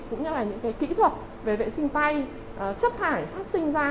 cũng như là những kỹ thuật về vệ sinh tay chất thải phát sinh ra